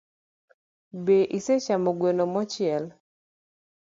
Be isechamo gweno mochiel?